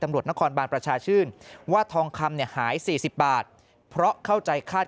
ตำรวจนครบาลประชาชื่นว่าทองคำหาย๔๐บาทเพราะเข้าใจคาด